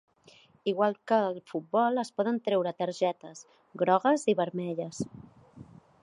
Igual que al futbol, es poden treure targetes grogues i vermelles.